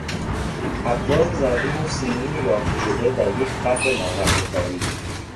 ابزار زرین و سیمین یافته شده در یک قبر ماقبل تاریخ